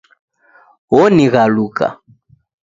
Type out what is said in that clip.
Onighaluka